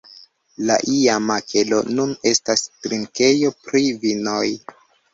La iama kelo nun estas drinkejo pri vinoj.